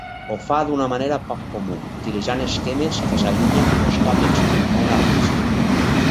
Ho fa d'una manera poc comú, utilitzant esquemes que s'allunyen dels tòpics del món artístic.